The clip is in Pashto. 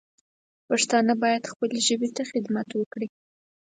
پښتانه باید خپلې ژبې ته خدمت وکړي